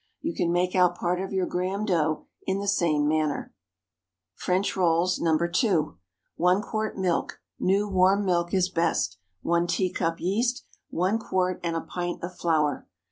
You can make out part of your Graham dough in the same manner. FRENCH ROLLS. (No. 2.) 1 quart milk; new, warm milk is best. 1 teacup yeast. 1 quart and a pint of flour.